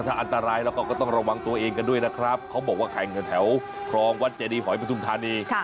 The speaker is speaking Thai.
ถ้าอันตรายเราก็ต้องระวังตัวเองกันด้วยนะครับเขาบอกว่าแข่งแถวคลองวัดเจดีหอยปฐุมธานี